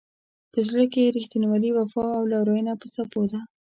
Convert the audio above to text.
په زړه کې یې رښتینولي، وفا او لورینه په څپو ده.